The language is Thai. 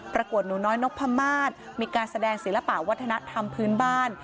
ประกวดหนูน้อยนกพมาศมีการแสดงศิลปะวัฒนธรรมพื้นบ้าน